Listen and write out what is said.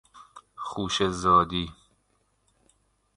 خوشه زادی